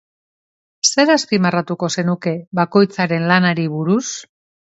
Zer azpimarratuko zenuke bakoitzaren lanari buruz?